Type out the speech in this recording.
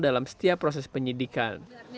dalam setiap proses penyidikan